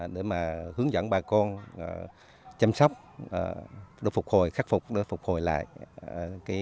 để mà hướng dẫn bà con chăm sóc khắc phục phục hồi lại cây tiêu trong thời gian đó